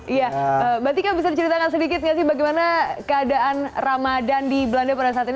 iya mbak tika bisa diceritakan sedikit nggak sih bagaimana keadaan ramadan di belanda pada saat ini